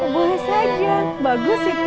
boleh saja bagus itu